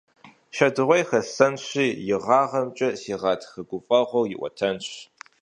Шэдыгъуей хэссэнщи, и гъэгъамкӀэ си гъатхэ гуфӀэгъуэр иӀуэтэнщ.